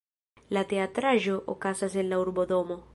La teatraĵo okazas en urbodomo.